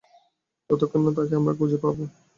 যতক্ষণ না তাকে আমরা খুঁজে পাবো।